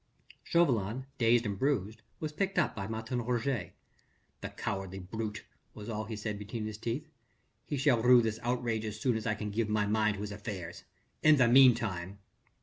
Chauvelin dazed and bruised was picked up by Martin Roget. "The cowardly brute!" was all that he said between his teeth, "he shall rue this outrage as soon as I can give my mind to his affairs. In the meanwhile...."